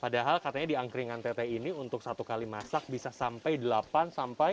padahal katanya di angkringan tete ini untuk satu kali masak bisa sampai delapan sampai